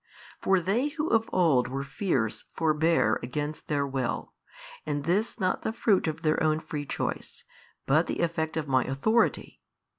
For they who of old were fierce forbear against their will, and this not the fruit of their own free choice, but the effect of My Authority.